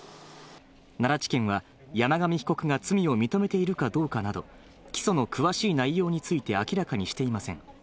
奈良地検は山上被告が罪を認めているかどうかなど、起訴の詳しい内容について明らかにしていません。